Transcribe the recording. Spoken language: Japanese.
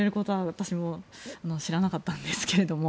私も知らなかったんですけど。